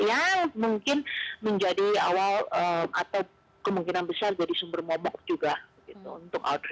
yang mungkin menjadi awal atau kemungkinan besar jadi sumber momok juga untuk outrea